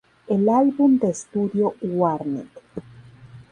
El álbum de estudio ""Warning!